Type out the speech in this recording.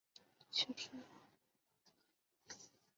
凌驾於一切之上